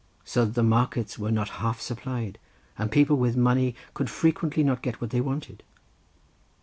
So that the markets were not half supplied, and people with money could frequently not get what they wanted.